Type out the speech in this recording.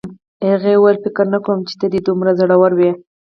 هغې وویل فکر نه کوم چې ته دې دومره زړور وې